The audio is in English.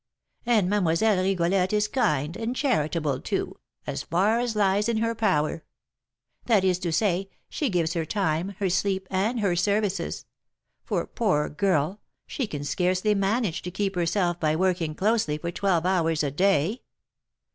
And Mlle. Rigolette is kind and charitable, too, as far as lies in her power; that is to say, she gives her time, her sleep, and her services; for, poor girl! she can scarcely manage to keep herself by working closely for twelve hours a day.